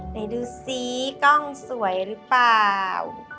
ไหนดูซิกล้องสวยหรือเปล่า